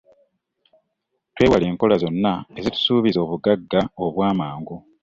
Twewale enkola zonna ezitusuubiza obugagga obw'amangu.